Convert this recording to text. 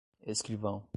escrivão